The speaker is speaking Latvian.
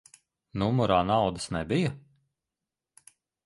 Numurā naudas nebija?